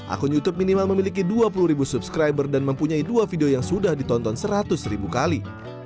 akun youtube minimal memiliki dua puluh ribu subscriber dan mempunyai dua video yang sudah ditonton seratus ribu kali